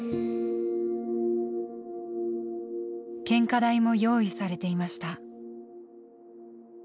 献花台も用意されていました。